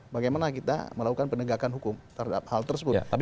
bagaimana kita melakukan penegakan hukum terhadap hal tersebut